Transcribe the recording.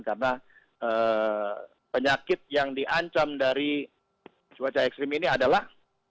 karena penyakit yang diancam dari cuaca ekstrim ini adalah